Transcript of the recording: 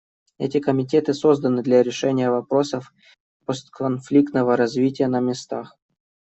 Эти комитеты созданы для решения вопросов постконфликтного развития на местах.